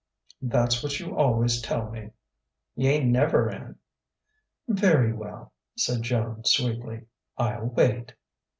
"That's what you always tell me." "He ain't never in." "Very well," said Joan sweetly: "I'll wait."